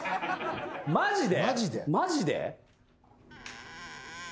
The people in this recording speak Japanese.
マジで？